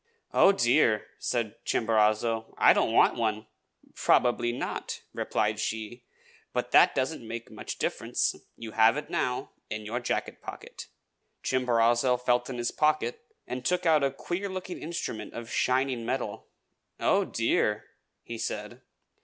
"Oh, dear!" said Chimborazo, "I don't want one." "Probably not," replied she, "but that doesn't make much difference. You have it now, in your jacket pocket." Chimborazo felt in his pocket, and took out a queer looking instrument of shining metal. "Oh, dear!" he said.